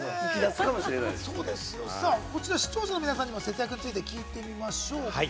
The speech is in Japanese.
こちら、視聴者の皆さんにも節約について聞いてみましょうか。